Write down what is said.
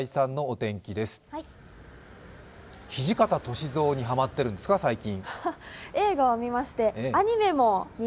土方歳三にはまっているんですか、最近？